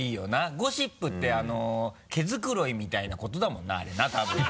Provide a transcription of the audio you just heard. ゴシップって毛繕いみたいなことだもんなあれな多分。